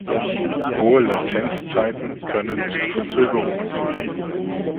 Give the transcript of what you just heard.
Hohe Latenzzeiten können zu Verzögerungen führen.